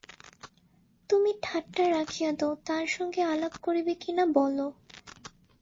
তুমি ঠাট্টা রাখিয়া দাও–তার সঙ্গে আলাপ করিবে কি না বলো।